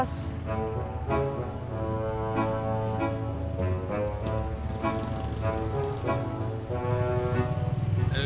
selamat pagi bos